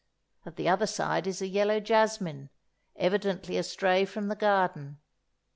At the other side is a yellow jasmine, evidently a stray from the garden.